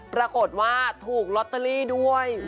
ปรากฏว่าถูกลอตเตอรี่ด้วย